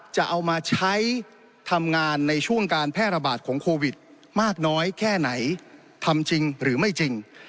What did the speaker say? จะเอามาใช้ทำงานในช่วงการแพร่ระบาดของโควิดมากน้อยแค่ไหนทำจริงหรือไม่จริง